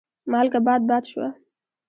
مالګه باد باد شوه.